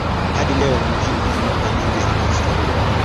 Hadi leo mji una nyumba nyingi za kihistoria.